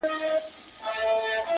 خداى له هري بي بي وركړل اولادونه،